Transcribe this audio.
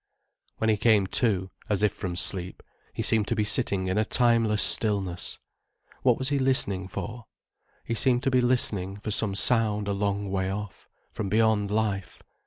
When he came to, as if from sleep, he seemed to be sitting in a timeless stillness. What was he listening for? He seemed to be listening for some sound a long way off, from beyond life.